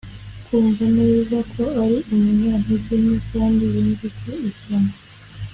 kumva neza ko ari umunyantege nke, kandi yumve ko ishyano